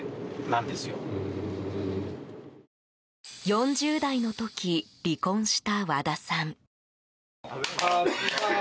４０代の時離婚した和田さん。